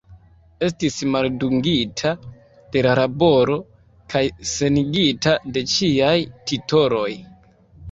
Estis maldungita de la laboro kaj senigita de ĉiaj titoloj.